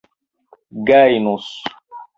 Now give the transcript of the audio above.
gajnus